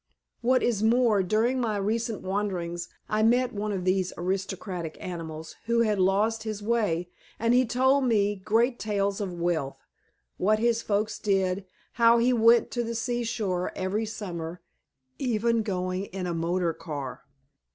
What is more, during my recent wanderings, I met one of these aristocratic animals who had lost his way, and he told me great tales of wealth, what his folks did, how he went to the seashore every summer, even going in a motor car.